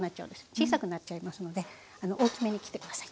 小さくなっちゃいますので大きめに切って下さい。